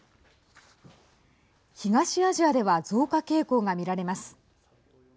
東アジアでは増加傾向が見られます。